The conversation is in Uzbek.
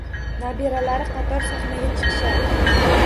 Nabiralari qator sahnaga chiqishadi